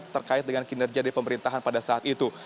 terkait dengan kinerja di pemerintahan pada saat itu